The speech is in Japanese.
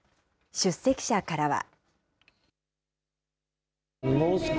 出席者からは。